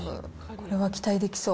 これは期待できそう。